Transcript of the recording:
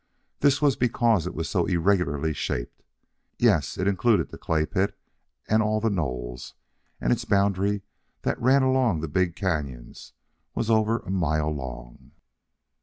This was because it was so irregularly shaped. Yes, it included the clay pit and all the knolls, and its boundary that ran along the big canon was over a mile long.